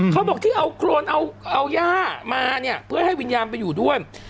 เขาบอกที่เอาโครนเอาย่ามาเนี่ยเพื่อให้วิญญาณไปอยู่ด้วย